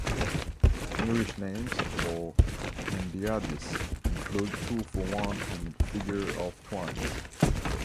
English names for hendiadys include two for one and figure of twinnes.